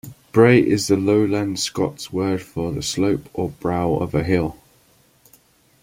"Brae" is the Lowland Scots word for the slope or brow of a hill.